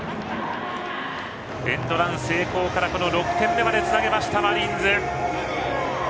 エンドラン成功から６点目までつなげたマリーンズ。